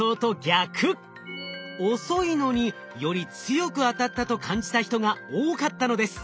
遅いのにより強く当たったと感じた人が多かったのです。